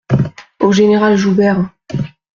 Au général Joubert.